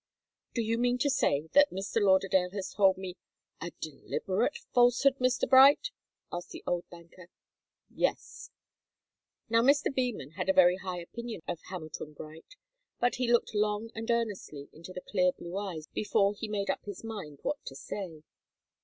"Do you mean to say that Mr. Lauderdale has told me a deliberate falsehood, Mr. Bright?" asked the old banker. "Yes." Now Mr. Beman had a very high opinion of Hamilton Bright, but he looked long and earnestly into the clear blue eyes before he made up his mind what to say.